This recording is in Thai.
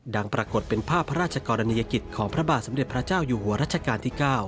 ปรากฏเป็นภาพพระราชกรณียกิจของพระบาทสมเด็จพระเจ้าอยู่หัวรัชกาลที่๙